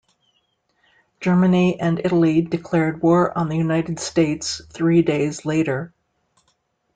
Germany and Italy declared war on the United States three days later.